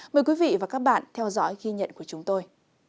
mời các bạn theo dõi ghi nhận của chúng tôi